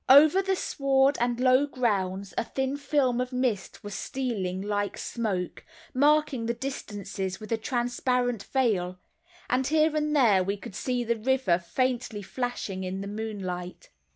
Over the sward and low grounds a thin film of mist was stealing like smoke, marking the distances with a transparent veil; and here and there we could see the river faintly flashing in the moonlight.